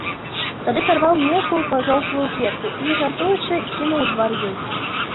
Тады сарваў нейкую пажоўклую кветку і, жартуючы, кінуў у твар ёй.